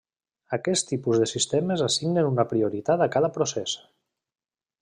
Aquest tipus de sistemes assignen una prioritat a cada procés.